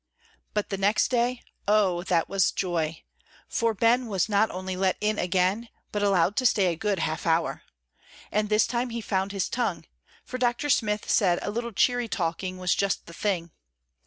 But the next day, oh, that was joy! for Ben was not only let in again, but allowed to stay a good half hour. And this time he found his tongue, for Dr. Smith said a little cheery talking was just the thing.